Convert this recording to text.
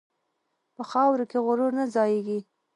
په خاورو کې غرور نه ځایېږي.